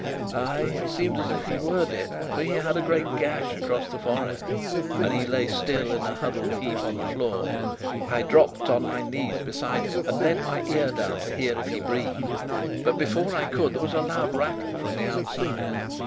Ay, it seemed as if he were dead, for he had a great gash across his forehead, and he lay still in a huddled heap on the floor. I dropped on my knees beside him, and leant my ear down to hear if he breathed. But before I could there was a loud rattle from the outside.